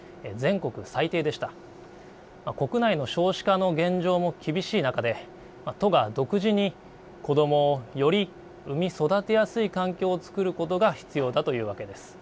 国内の少子化の現状も厳しい中で都が独自に子どもをより生み育てやすい環境を作ることが必要だというわけです。